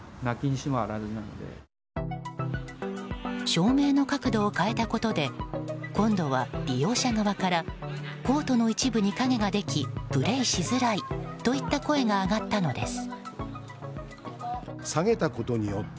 照明の角度を変えたことで今度は利用者側からコートの一部に影ができプレーしづらいといった声が上がったのです。